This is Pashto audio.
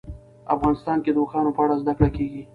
افغانستان کې د اوښانو په اړه زده کړه کېږي.